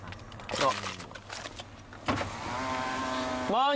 あっ。